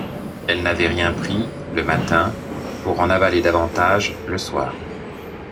Elle n’avait rien pris, le matin, pour en avaler davantage, le soir.